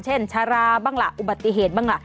ชาราบ้างล่ะอุบัติเหตุบ้างล่ะ